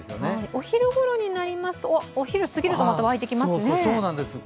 お昼ごろになりますと、お昼をすぎるとまたわいてきますよね。